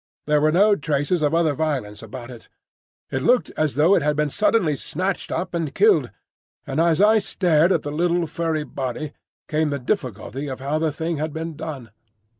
There were no traces of other violence about it. It looked as though it had been suddenly snatched up and killed; and as I stared at the little furry body came the difficulty of how the thing had been done.